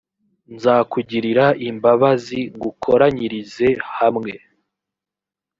nzakugirira imbabazi ngukoranyirize hamwe